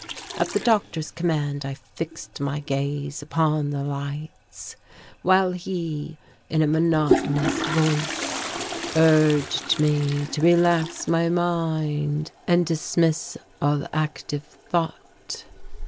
At the doctor's command I fixed my gaze upon the lights, while he, in a monotonous voice, urged me to relax my mind and dismiss all active thought.